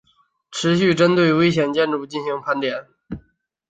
持续针对危险建筑进行盘点